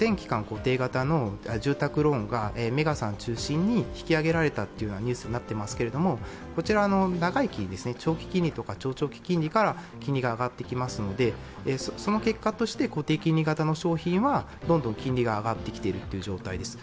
固定型の住宅ローンがメガ３中心に引き上げられたという話がありますけれどもこちら長い金利、長期金利とかから金利が上がっていきますのでその結果として固定金利型の商品はどんどん金利が上がってきているという状態です。